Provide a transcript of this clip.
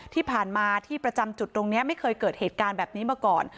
ที่ผ่านมาที่ประจำจุดตรงนี้ไม่เคยเกิดเหตุการณ์แบบนี้มาก่อน